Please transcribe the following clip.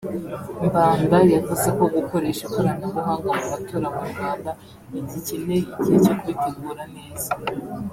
Mbanda yavuze ko gukoresha ikoranabuhanga mu matora mu Rwanda bigikeneye igihe cyo kubitegura neza